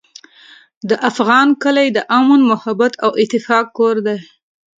د افغان کلی د امن، محبت او اتفاق کور دی.